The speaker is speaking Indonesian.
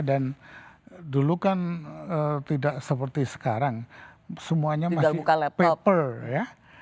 dulu kan tidak seperti sekarang semuanya masih paper ya